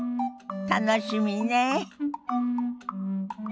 楽しみねえ。